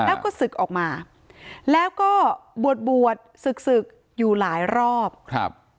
แล้วก็ศึกออกมาแล้วก็บวชบวชศึกศึกอยู่หลายรอบครับ